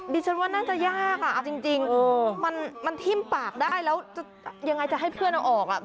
ดิฉันว่าน่าจะยากอ่ะเอาจริงมันทิ่มปากได้แล้วจะยังไงจะให้เพื่อนเอาออกอ่ะ